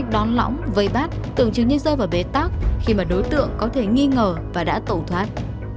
đón lõng vây bát tưởng chứng như rơi vào bế tắc khi mà đối tượng có thể nghi ngờ và đã tẩu thoát